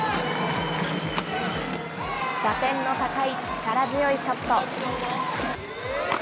打点の高い力強いショット。